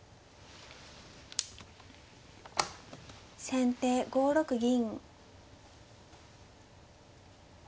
先手５六銀。